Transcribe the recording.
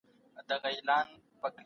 زه اوس مهال د ټولنیزو علومو معلومات لولم.